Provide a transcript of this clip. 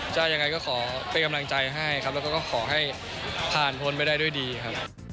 ยังไงก็ขอเป็นกำลังใจให้ครับแล้วก็ขอให้ผ่านพ้นไปได้ด้วยดีครับ